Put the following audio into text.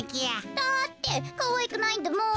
だってかわいくないんだもん。